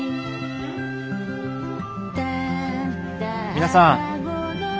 皆さん。